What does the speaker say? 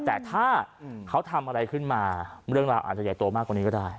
แต่ถ้าเขาทำอะไรขึ้นมาเรื่องราวอาจจะใหญ่โตมากกว่านี้ก็ได้